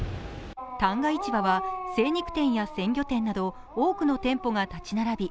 旦過市場は精肉店や鮮魚店など多くの店舗が立ち並び